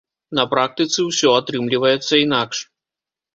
На практыцы ўсё атрымліваецца інакш.